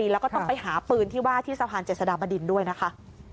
แล้วก็ต้องไปหาปืนที่ว่าที่สะพานเจษฎาบดินด้วยนะคะ